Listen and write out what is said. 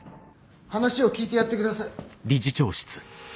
話を聞いてやって下さ。